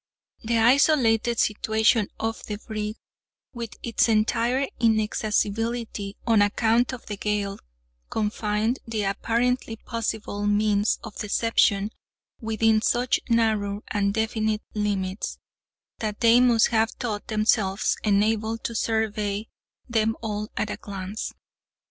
The isolated situation of the brig, with its entire inaccessibility on account of the gale, confined the apparently possible means of deception within such narrow and definite limits, that they must have thought themselves enabled to survey them all at a glance.